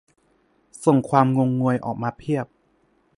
"ส่งความงงงวยออกมาเพียบ"